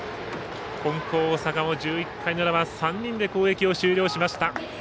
金光大阪も１１回の裏は３人で攻撃を終了しました。